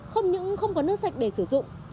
không những không có nước sạch để sử dụng